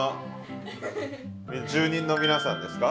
住人の皆さんですか？